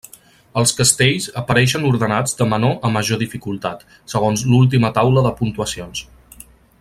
Els castells apareixen ordenats de menor a major dificultat, segons l'última Taula de Puntuacions.